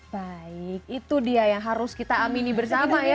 baik itu dia yang harus kita amini bersama ya